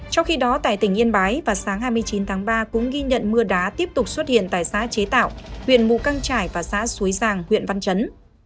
trong khi đó tại tỉnh yên bái vào sáng hai mươi chín tháng ba cũng ghi nhận mưa đá tiếp tục xuất hiện tại xã chế tạo huyện mù căng trải và xã xuế giàng huyện văn chấn